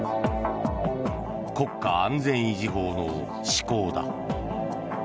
国家安全維持法の施行だ。